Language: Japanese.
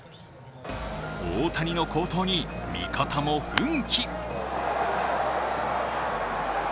大谷の好投に味方も奮起。